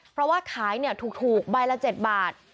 เพราะว่าขายถูกใบละ๗บาท